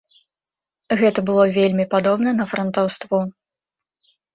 Гэта было вельмі падобна на франтаўство.